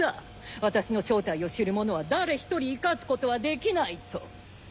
私の正体を知る者は誰一人生かすことはできないと。